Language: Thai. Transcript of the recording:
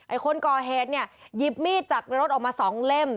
คนก่อเหตุเนี่ยหยิบมีดจากรถออกมาสองเล่ม